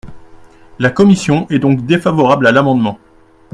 La commission est donc défavorable à l’amendement.